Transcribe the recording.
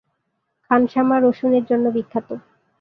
খানসামা রসুনের জন্য বিখ্যাত।